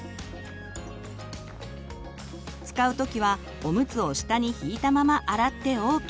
使う時はおむつを下に引いたまま洗ってＯＫ。